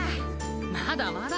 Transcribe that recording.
まだまだ。